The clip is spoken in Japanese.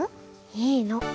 いいの。